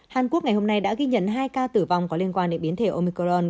hàn quốc ngày hôm nay đã ghi nhận hai ca tử vong có liên quan đến biến thể omicron